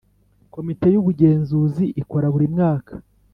Komite y Ubugenzuzi ikora buri mwaka